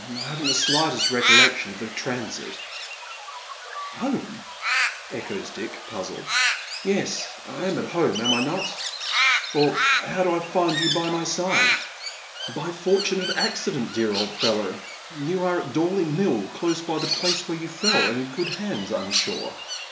I haven't the sligiitest recollection of the transit" '• Home ?" echoes Dick, puzzled. " Yes. I am at home, am I not ? Or how do I find yon by my eide? "" By a fortunate accident, dear old fellow. You are at Dorley Mill, close by the place where you fell, and in good hands, I am sure.